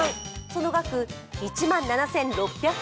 その額、１万７６００円。